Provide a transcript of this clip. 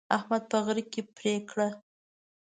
احمد په غره کې لاره پرې کړه.